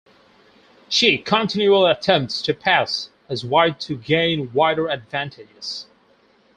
She continually attempts to pass as white to gain wider advantages.